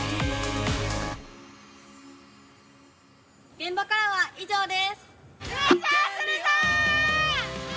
現場からは以上です。